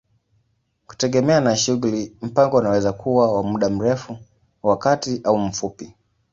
Kutegemea na shughuli, mpango unaweza kuwa wa muda mrefu, wa kati au mfupi.